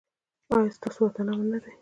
ایا ستاسو وطن امن نه دی؟